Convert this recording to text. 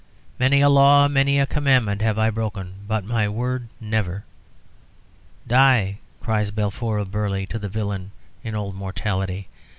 "Many a law, many a commandment have I broken, but my word, never." "Die," cries Balfour of Burley to the villain in "Old Mortality."